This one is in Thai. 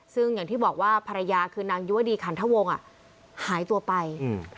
ซึ่งอย่างที่บอกว่าภรรยาคือนางยุวดีขันทวงอ่ะหายตัวไปอืม